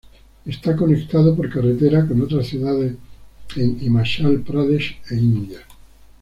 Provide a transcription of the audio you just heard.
Está conectado por carretera con otras ciudades en Himachal Pradesh e India.